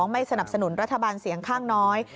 ไม่สนับสนุนรัฐบาลเสียงข้างน้อย